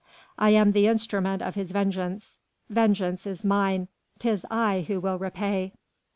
I am the instrument of his vengeance. Vengeance is mine! 'tis I who will repay!"